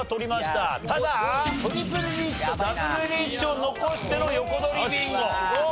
ただトリプルリーチとダブルリーチを残しての横取りビンゴ。